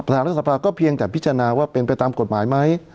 รัฐสภาก็เพียงแต่พิจารณาว่าเป็นไปตามกฎหมายไหม